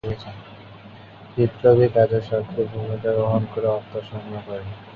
বিপ্লবী কাজে সক্রিয় ভূমিকা গ্রহণ করে অর্থ সংগ্রহ করেন।